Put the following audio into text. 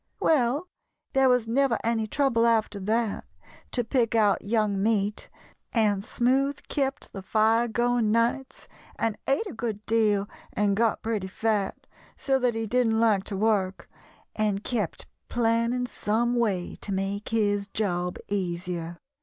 ] "Well, there was never any trouble after that to pick out young meat, and Smoothe kept the fire going nights and ate a good deal and got pretty fat, so that he didn't like to work, and kept planning some way to make his job easier.